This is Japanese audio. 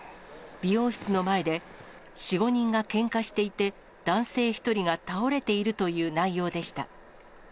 美容室の前で４、５人がけんかしていて、男性１人が倒れているという内容でした。